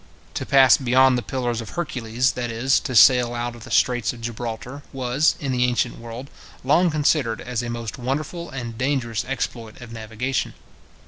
To pass beyond the pillars of Hercules, that is, to sail out of the straits of Gibraltar, was, in the ancient world, long considered as a most wonderful and dangerous exploit of navigation.